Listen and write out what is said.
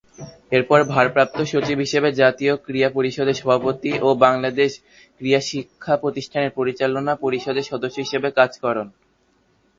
এরপর ভারপ্রাপ্ত সচিব হিসেবে জাতীয় ক্রীড়া পরিষদের সহসভাপতি ও বাংলাদেশ ক্রীড়া শিক্ষা প্রতিষ্ঠানের পরিচালনা পর্ষদের সদস্য হিসেবে কাজ করন।